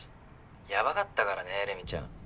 ヤバかったからねレミちゃん